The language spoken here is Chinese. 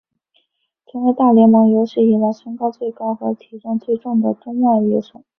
成为大联盟有史以来身高最高和体重最重的中外野手。